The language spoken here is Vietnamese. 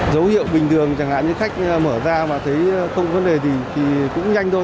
dấu hiệu bình thường chẳng hạn như khách mở ra mà thấy không có vấn đề gì thì cũng nhanh thôi